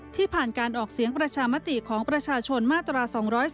ที่ผ่านการออกเสียงประชามติของประชาชนมาตรา๒๔